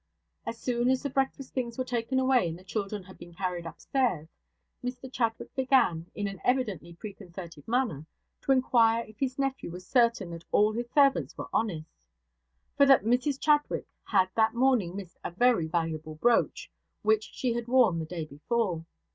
As soon as the breakfast things were taken away, and the children had been carried upstairs, Mr Chadwick began, in an evidently preconcerted manner, to inquire if his nephew was certain that all his servants were honest; for, that Mrs Chadwick had that morning missed a very valuable brooch, which she had worn the day before.